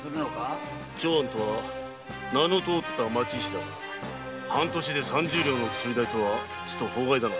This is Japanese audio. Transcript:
長庵とは名のとおった町医師だが半年で三十両の薬代とは法外だな。